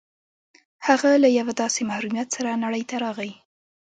هغه له يوه داسې محروميت سره نړۍ ته راغی.